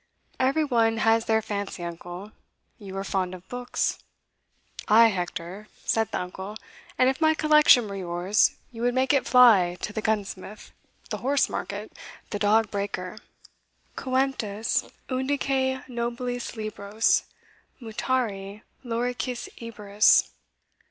"Every one has their fancy, uncle, you are fond of books." "Ay, Hector," said the uncle, "and if my collection were yours, you would make it fly to the gunsmith, the horse market, the dog breaker, Coemptos undique nobiles libros mutare loricis Iberis."